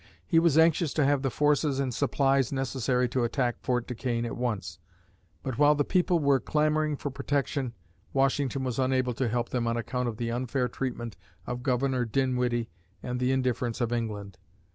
He was anxious to have the forces and supplies necessary to attack Fort Duquesne at once. But while the people were clamoring for protection, Washington was unable to help them on account of the unfair treatment of Governor Dinwiddie, and the indifference of England.